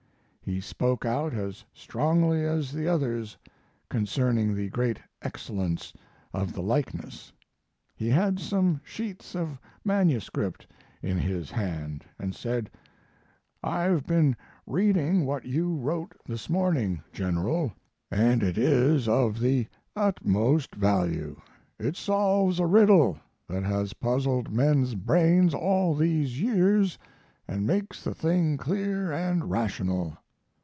He spoke out as strongly as the others concerning the great excellence of the likeness. He had some sheets of MS. in his hand, and said, "I've been reading what you wrote this morning, General, and it is of the utmost value; it solves a riddle that has puzzled men's brains all these years and makes the thing clear and rational."